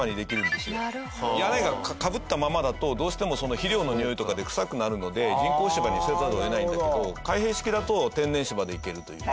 屋根がかぶったままだとどうしても肥料のにおいとかで臭くなるので人工芝にせざるを得ないんだけど開閉式だと天然芝でいけるという。